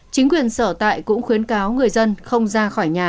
chính quyền sở tại cũng khuyến cáo người dân không ra khỏi nhà